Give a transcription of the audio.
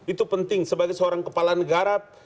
itu penting sebagai seorang kepala negara